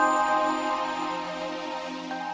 mama nggak peduli